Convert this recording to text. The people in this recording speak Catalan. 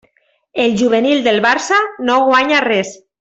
El juvenil del Barça no guanya res.